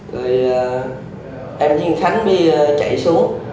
rồi em với nguyễn khánh mới chạy xuống